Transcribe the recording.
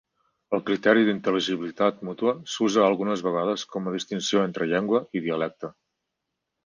El criteri d'intel·ligibilitat mútua s'usa algunes vegades com a distinció entre llengua i dialecte.